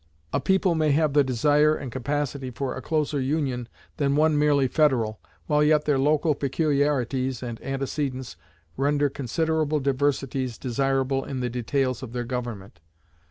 A people may have the desire and the capacity for a closer union than one merely federal, while yet their local peculiarities and antecedents render considerable diversities desirable in the details of their government.